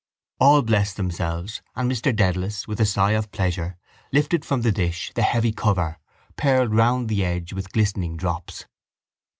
_ All blessed themselves and Mr Dedalus with a sigh of pleasure lifted from the dish the heavy cover pearled around the edge with glistening drops.